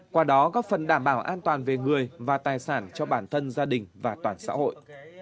qua đó góp phần đảm bảo an toàn về người và tài sản cho bản thân gia đình và toàn xã hội